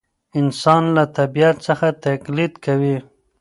انسان له طبیعت څخه تقلید کوي.